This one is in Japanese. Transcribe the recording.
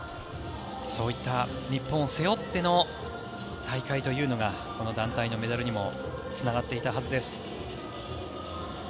そういった日本を背負っての大会というのがこの団体のメダルにもつながっていたはずです。